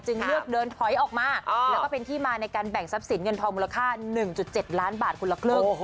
เลือกเดินถอยออกมาแล้วก็เป็นที่มาในการแบ่งทรัพย์สินเงินทองมูลค่า๑๗ล้านบาทคนละครึ่ง